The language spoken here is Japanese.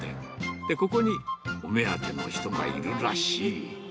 で、ここに、お目当ての人がいるらしい。